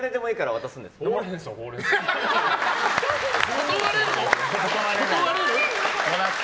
断れるの？